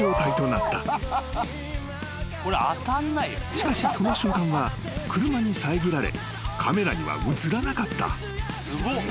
［しかしその瞬間は車に遮られカメラには写らなかった］